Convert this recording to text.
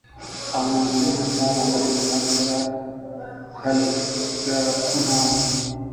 او نازنين پلاره ! ولې له ځان سره کلګکونه وهې؟